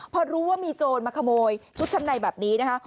พอรู้ว่ามีโจรมาขโมยชุดชั้นในแบบนี้นะคะ